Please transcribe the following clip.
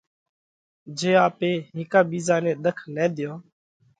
جي آپي هيڪا ٻِيزا نئہ ۮک نہ ۮيون،